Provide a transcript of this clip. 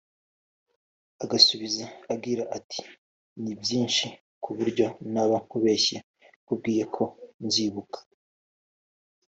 agasubiza agira ati “ Ni nyinshi ku buryo naba nkubeshye nkubwiye ko nzibuka